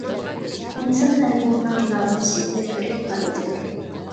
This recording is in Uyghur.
ئىنسان مەنىۋىيىتىنىڭ جۇلالىنىشى ۋە كۆرەك پائالىيىتىدۇر.